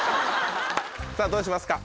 さぁどうしますか？